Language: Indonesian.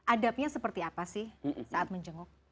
adabnya seperti apa sih saat menjenguk